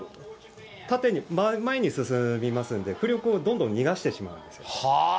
縦に、前に進みますんで、浮力をどんどん逃がしてしまうんですよ。